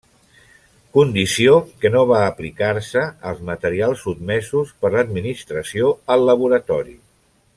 Condició que no va aplicar-se als materials sotmesos per l'Administració al Laboratori.